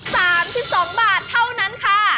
๓๒บาทเท่านั้นค่ะ